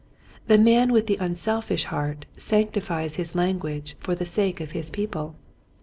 The man with the unselfish heart sanctifies his language for the sake of his people.